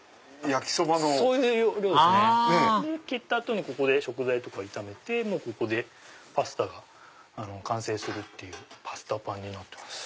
切った後にここで食材とか炒めてパスタが完成するっていうパスタパンになってます。